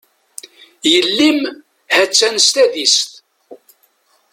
Yelli-m, ha-tt-an s tadist.